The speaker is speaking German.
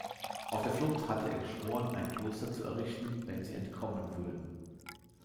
Auf der Flucht hatte er geschworen, ein Kloster zu errichten, wenn sie entkommen würden.